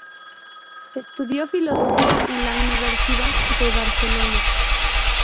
Estudió filosofía en la Universidad de Barcelona.